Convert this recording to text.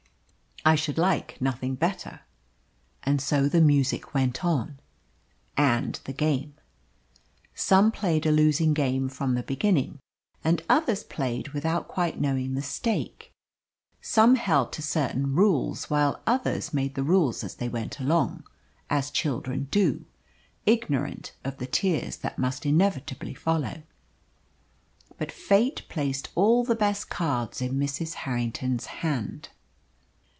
"I should like nothing better." And so the music went on and the game. Some played a losing game from the beginning, and others played without quite knowing the stake. Some held to certain rules, while others made the rules as they went along as children do ignorant of the tears that must inevitably follow. But Fate placed all the best cards in Mrs. Harrington's hand.